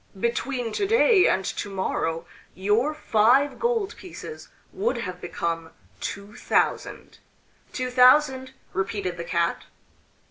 "Between to day and to morrow your five gold pieces would have become two thousand." "Two thousand!" repeated the Cat.